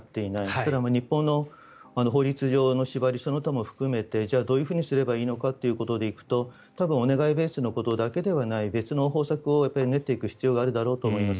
ただ、日本の法律上の縛りその他も含めてじゃあどうすればいいのかということで行くと多分お願いベースのことだけではない別の方策を練っていく必要があるだろうと思います。